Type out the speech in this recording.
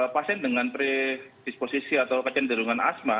pasien dengan predisposisi atau kecenderungan asma